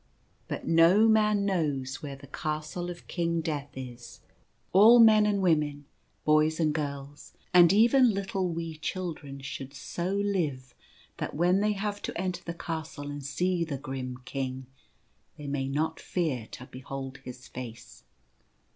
But no man knows where the Castle of King Death is. All men and women, boys and girls, and even little wee children should so live that when they have to enter the Castle and see the grim King, they may not fear to behold his face.